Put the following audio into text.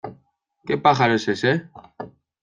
¿ qué pájaro es ese?...